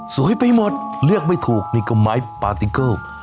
ไปหมดเลือกไม่ถูกนี่ก็ไม้ปาติเกิล